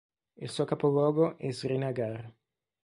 Il suo capoluogo è Srinagar.